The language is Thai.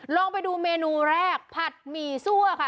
ลองไปดูเมนูแรกผัดหมี่ซั่วค่ะ